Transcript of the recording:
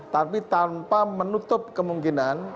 tapi tanpa menutup kemungkinan